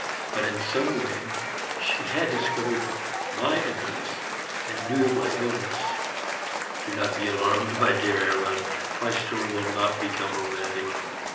But in some way she had discovered my address, and knew of my illness. Do not be alarmed, my dear Hermann; my story will not become romantic.